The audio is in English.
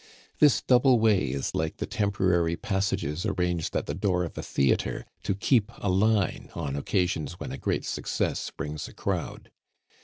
This double way is like the temporary passages arranged at the door of a theatre to keep a line on occasions when a great success brings a crowd.